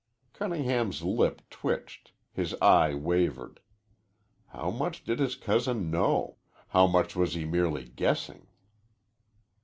Cunningham's lip twitched, his eye wavered. How much did his cousin know? How much was he merely guessing?